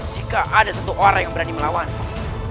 jika ada satu orang yang berani melawan